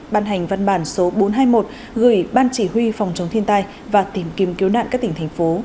ban hành văn bản số bốn trăm hai mươi một gửi ban chỉ huy phòng chống thiên tai và tìm kiếm cứu nạn các tỉnh thành phố